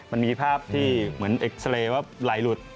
มันมีภาพที่เหมือนเอ็กซาเรย์ว่าไหลหลุด